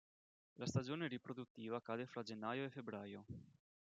La stagione riproduttiva cade fra gennaio e febbraio.